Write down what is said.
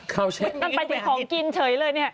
ข้าวแช่นั่นไปที่ของกินเฉยเลยนี่